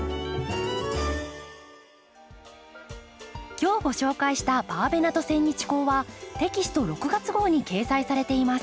今日ご紹介した「バーベナとセンニチコウ」はテキスト６月号に掲載されています。